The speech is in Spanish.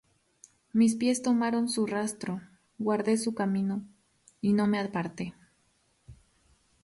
Mis pies tomaron su rastro; Guardé su camino, y no me aparté.